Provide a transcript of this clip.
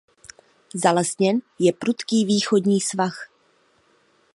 Zalesněn je prudký východní svah.